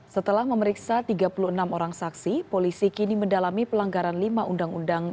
setelah memeriksa tiga puluh enam orang saksi polisi kini mendalami pelanggaran lima undang undang